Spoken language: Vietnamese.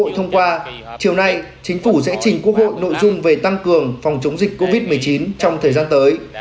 thông qua chiều nay chính phủ sẽ trình quốc hội nội dung về tăng cường phòng chống dịch covid một mươi chín trong thời gian tới